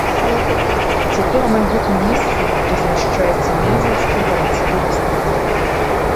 Цяпер на гэтым месцы размяшчаецца мядзельскі гарадскі рэстаран.